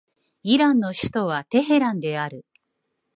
イランの首都はテヘランである